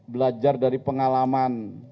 belajar dari pengalaman